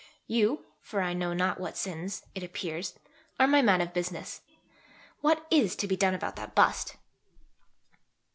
You (for I know not what sins), it appears, are my 'man of business.' What is to be done about that bust?"